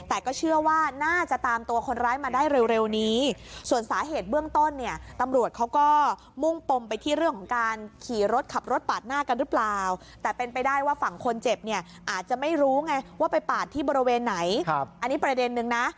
อาจจะไม่รู้ไงว่าไปปาดที่บริเวณไหนอันนี้ประเด็นนึงนะ